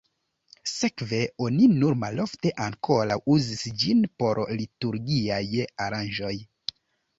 Sekve oni nur malofte ankoraŭ uzis ĝin por liturgiaj aranĝoj.